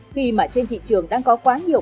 khi mà trên thị trường đang có quá nhiều